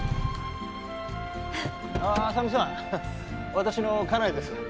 私の家内です。